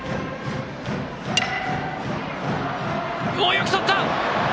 よくとった！